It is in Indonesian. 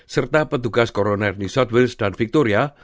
serta petugas koroner di south wales dan victoria